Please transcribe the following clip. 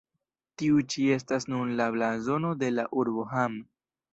Tiu ĉi estas nun la blazono de la urbo Hamm.